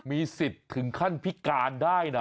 มีสิทธิ์ถึงขั้นพิการได้นะ